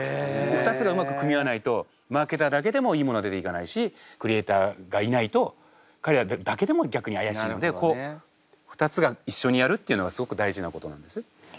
２つがうまく組み合わないとマーケターだけでもいいものが出ていかないしクリエーターがいないと彼らだけでも逆にあやしいのでこう２つがいっしょにやるっていうのがすごく大事なことなんです。